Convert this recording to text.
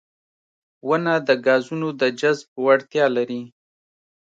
• ونه د ګازونو د جذب وړتیا لري.